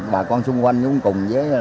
bà con xung quanh cũng cùng với